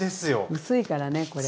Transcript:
薄いからねこれ。